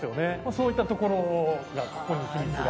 そういったところここに秘密が。